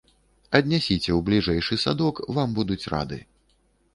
Аднясіце ў бліжэйшы садок, вам будуць рады.